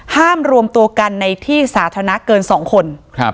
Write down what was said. รวมตัวกันในที่สาธารณะเกิน๒คน